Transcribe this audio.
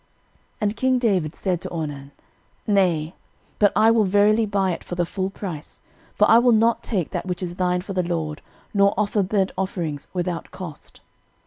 13:021:024 And king David said to Ornan, Nay; but I will verily buy it for the full price: for I will not take that which is thine for the LORD, nor offer burnt offerings without cost.